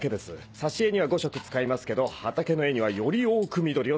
挿絵には５色使いますけど畑の絵にはより多く緑を。